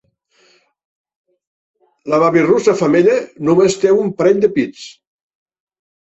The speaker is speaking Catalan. La babirussa femella només té un parell de pits.